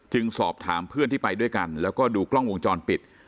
สอบถามเพื่อนที่ไปด้วยกันแล้วก็ดูกล้องวงจรปิด